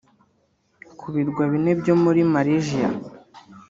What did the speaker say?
ku birwa bine byo muri Malaysia